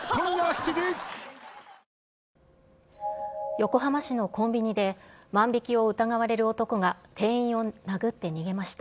横浜市のコンビニで、万引きを疑われる男が、店員を殴って逃げました。